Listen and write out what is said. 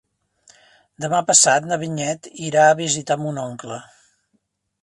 Demà passat na Vinyet irà a visitar mon oncle.